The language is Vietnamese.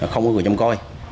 không có người trông coi